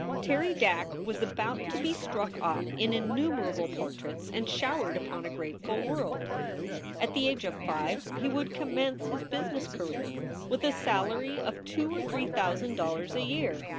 Terry Dack was about to be struck off in innumerable portraits and showered upon a grateful world. At the age of five he would commence his business career with a salary of two or three thousand dollars a year.